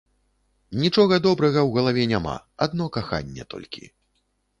Нічога добрага ў галаве няма, адно каханне толькі.